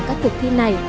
các cuộc thi này